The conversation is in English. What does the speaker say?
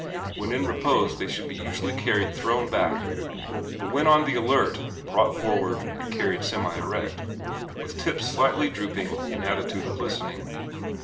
When in repose they should be usually carried thrown back, but when on the alert brought forward and carried semi erect, with tips slightly drooping in attitude of listening.